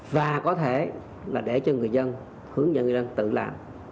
và có thể là để cho người dân hướng dẫn người dân tự làm